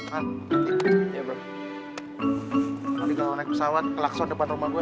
kalo dia ga mau naik pesawat ke lakson depan rumah gue